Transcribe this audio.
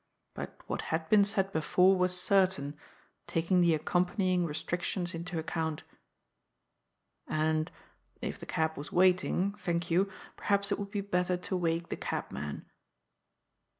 But what had been said before was certain, taking the accompanying restrictions into account. And, if the cab was waiting? — thank you — perhaps it would be better to wake the cabman."